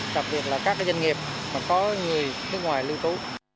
đặc biệt là các doanh nghiệp mà có người nước ngoài lưu trú